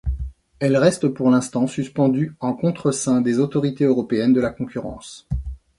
Elle reste, pour l’instant, suspendue au contreseing des autorités européennes de la concurrence.